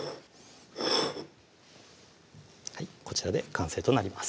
こちらで完成となります